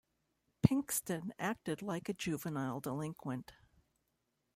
Pinkston acted like a juvenile delinquent.